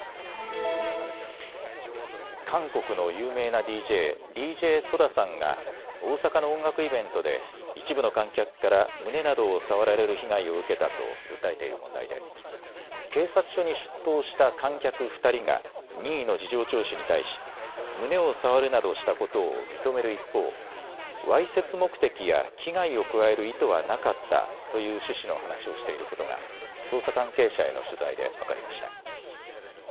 韓国の有名なＤＪ、ＤＪＳＯＤＡさんが大阪の音楽イベントで一部の観客から胸などを触られる被害を受けたと訴えている問題で警察署に出頭した観客２人が任意の事情聴取に対し胸を触るなどしたことを認める一方、わいせつ目的や危害を加える意図はなかったという趣旨の話をしていることが捜査関係者への取材で分かりました。